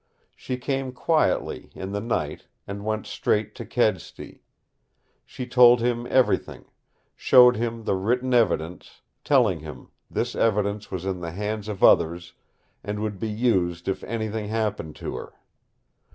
She came quietly, in the night, and went straight to Kedsty. She told him everything, showed him the written evidence, telling him this evidence was in the hands of others and would be used if anything happened to her.